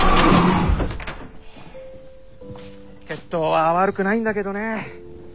血統は悪くないんだけどね。